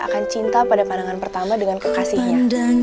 akan cinta pada pandangan pertama dengan kekasihnya